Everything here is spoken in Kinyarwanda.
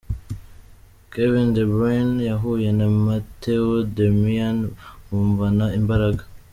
Kevin De Bryne yahuye na Matteo Darmian bumvana imbaraga.